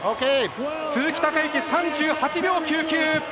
鈴木孝幸、３８秒９９。